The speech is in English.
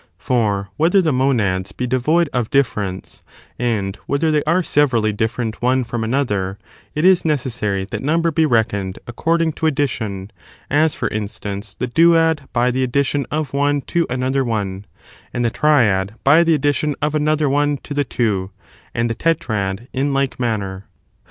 For whether the monads be devoid of difierenoe, and whether they are severally different one from another, it is necessary that number be reckoned according to addition ; as, for instance, the duad by the addition of one to another one, and the triad by the addition of another one to the two, and the tetrad in like manner.